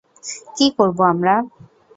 কী করব আমরা?